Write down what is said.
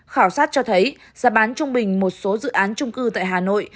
khảo sát cho thấy giá bán trung bình một số dự án trung cư tại hà nội